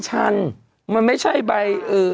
มันไม่ใช่ใบ